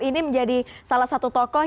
ini menjadi salah satu tokoh